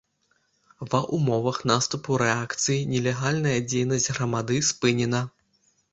Ва ўмовах наступу рэакцыі нелегальная дзейнасць грамады спынена.